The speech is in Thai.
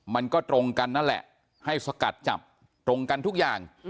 มันก็ตรงกันนั่นแหละให้สกัดจับตรงกันทุกอย่าง